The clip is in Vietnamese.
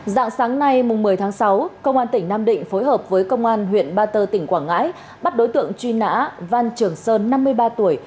dạng sáng nay một mươi tháng sáu công an tỉnh nam định phối hợp với công an huyện ba tơ tỉnh quảng ngãi bắt đối tượng truy nã văn trường sơn năm mươi ba tuổi